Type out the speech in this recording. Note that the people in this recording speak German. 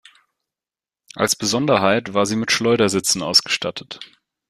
Als Besonderheit war sie mit Schleudersitzen ausgestattet.